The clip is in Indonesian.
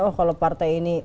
oh kalau partai ini